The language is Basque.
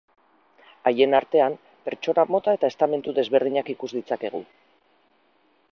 Haien artean pertsona mota eta estamentu desberdinak ikus ditzakegu.